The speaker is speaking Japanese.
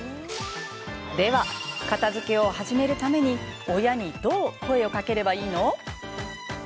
では片づけを始めるために親に、どう声をかければいいの？